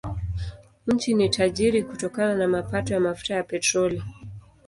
Nchi ni tajiri kutokana na mapato ya mafuta ya petroli.